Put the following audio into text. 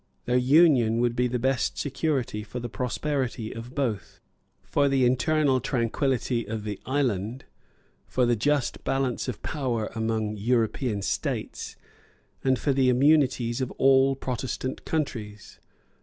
Their union would be the best security for the prosperity of both, for the internal tranquillity of the island, for the just balance of power among European states, and for the immunities of all Protestant countries.